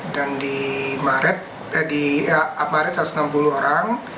dan di maret eh di maret satu ratus enam puluh orang